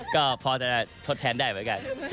ก็พอจะทดแทนได้เหมือนกัน